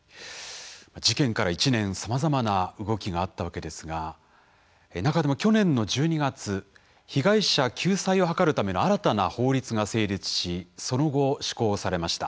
事件から１年さまざまな動きがあったわけですが中でも去年の１２月被害者救済を図るための新たな法律が成立しその後施行されました。